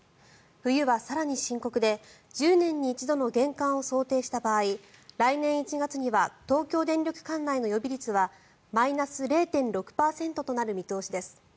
冬は更に深刻で１０年に一度の厳寒を想定した場合来年１月には東京電力管内の予備率はマイナス０．６％となる見通しです。